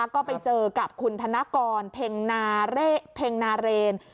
ก็ไปเจอกับคุณถนกรเภงนาเรร